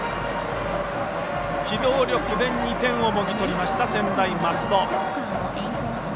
機動力で２点をもぎ取りました専大松戸。